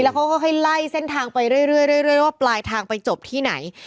เขาก็ให้ไล่เส้นทางไปเรื่อยว่าปลายทางไปจบที่ไหน